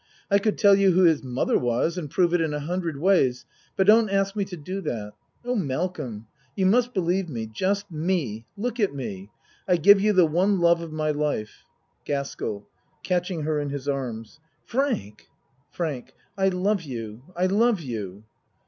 I could tell you who his mother was and prove it in a hundred ways but don't ask me to do that. Oh, Malcolm You must believe me just me. Look at me. I give you the one love of my life. GASKELL (Catching her in his arms.) Frank! FRANK I love you. I love you.